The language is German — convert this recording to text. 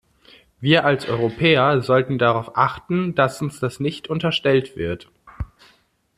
Wir als Europäer sollten darauf achten, dass uns das nicht unterstellt wird.